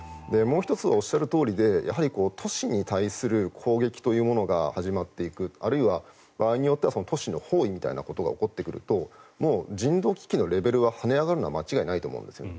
もう１つはおっしゃるとおりで都市に対する攻撃が始まっていくあるいは場合によっては都市の包囲みたいなことが起こってくるともう人道危機のレベルが跳ね上がるのは間違いないと思うんです。